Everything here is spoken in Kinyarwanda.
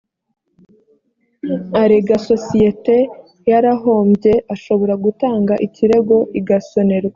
arega sosiyete yarahombye ashobora gutanga ikirego igasonerwa